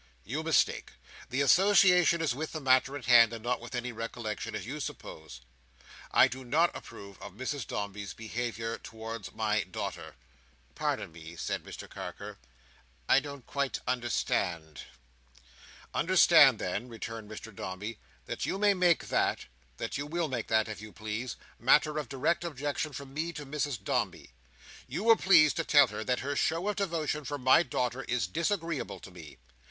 You mistake. The association is with the matter in hand, and not with any recollection, as you suppose. I do not approve of Mrs Dombey's behaviour towards my daughter." "Pardon me," said Mr Carker, "I don't quite understand." "Understand then," returned Mr Dombey, "that you may make that—that you will make that, if you please—matter of direct objection from me to Mrs Dombey. You will please to tell her that her show of devotion for my daughter is disagreeable to me.